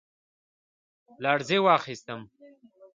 لـړزې واخيسـتم ،